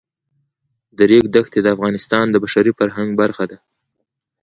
د ریګ دښتې د افغانستان د بشري فرهنګ برخه ده.